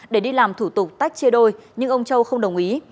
để đi làm thủ tục tách chia đôi nhưng ông châu không đồng ý